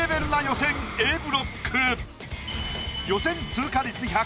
予選通過率１００％